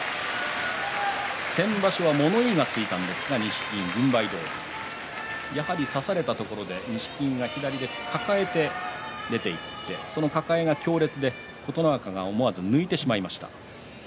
先場所は物言いがついたんですが錦木、軍配どおり差されたところで錦木が左で抱えて出ていってその抱えが強烈で琴ノ若が思わず抜いてしまいました。